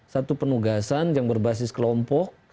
satu penugasan yang berbasis kelompok